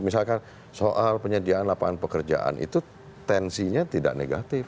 misalkan soal penyediaan lapangan pekerjaan itu tensinya tidak negatif